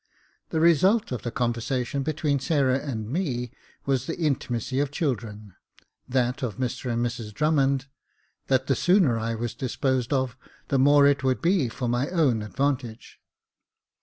The result of the conversation between Sarah and me was the intimacy of children ; that of Mr and Mrs Drummond, that the sooner I was disposed of, the more it would be for my own advantage.